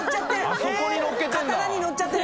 あそこにのっけてるんだ！